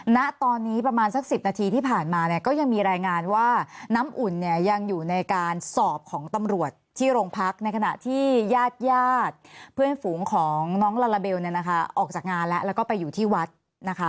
ณตอนนี้ประมาณสัก๑๐นาทีที่ผ่านมาเนี่ยก็ยังมีรายงานว่าน้ำอุ่นเนี่ยยังอยู่ในการสอบของตำรวจที่โรงพักในขณะที่ญาติญาติเพื่อนฝูงของน้องลาลาเบลเนี่ยนะคะออกจากงานแล้วแล้วก็ไปอยู่ที่วัดนะคะ